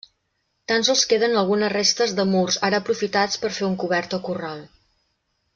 Tan sols queden algunes restes de murs ara aprofitats per fer un cobert o corral.